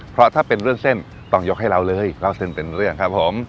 เพราะถ้าเป็นเรื่องเส้นต้องยกให้เราเลยเล่าเส้นเป็นเรื่องครับผม